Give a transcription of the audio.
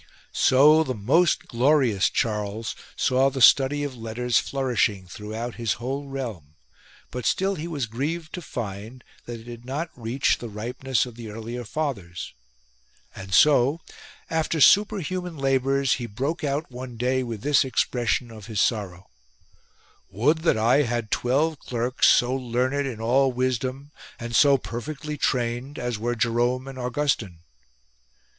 So the most glorious Charles saw the study of letters flourishing throughout his whole realm, but still he was grieved to find that it did not reach the ripeness of the earlier fathers ; and so, after super human labours, he broke out one day with this ex pression of his sorrow :" Would that I had twelve clerks so learned in all wisdom and so perfectly trained 71 CHARLES'S CARE FOR SINGING as were Jerome and Augustine."